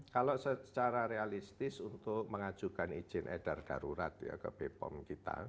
kalau secara realistis untuk mengajukan izin edar darurat ya ke bepom kita